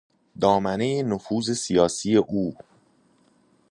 دامنهی نفوذ سیاسی او